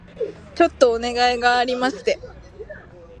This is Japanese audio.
ちょっとお願いがありまして